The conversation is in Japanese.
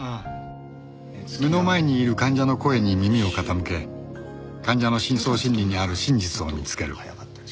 目の前にいる患者の声に耳を傾け患者の深層心理にある真実を見つける